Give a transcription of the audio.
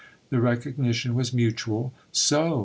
The recognition was mutual. So